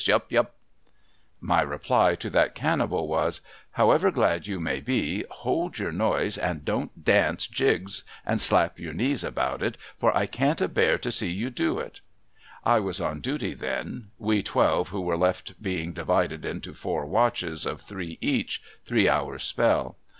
Yup ! Yup !' My reply to that cannibal was, ' However glad you may be, hold your noise, and don't dance jigs and slap your knees about it, for I can't abcar to see you do it.' I was on duty then ; we twehe who were left being divided into four watches of three each, three hours' spell.